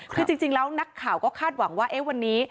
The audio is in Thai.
คือจริงแล้วนักข่าวก็คาดหวังว่าวันนี้